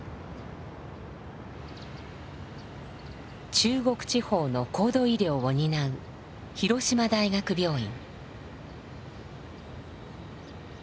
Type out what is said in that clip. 中国地方の高度医療を担う広島大学病院。